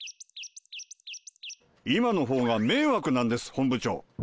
今のほうが迷惑なんです本部長。